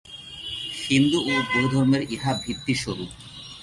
হিন্দু ও বৌদ্ধধর্মের ইহা ভিত্তিস্বরূপ।